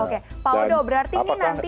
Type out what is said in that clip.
oke pak odo berarti ini nanti